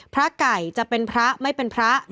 พระไก่จะเป็นพระไม่เป็นพระ